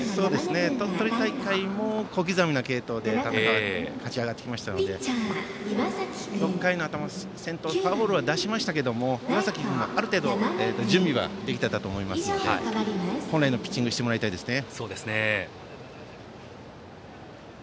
鳥取大会も小刻みな継投で勝ち上がってきましたので６回の先頭にフォアボールを出しましたが岩崎君も、ある程度準備はできていたと思いますので本来のピッチングをしてもらいたいですね。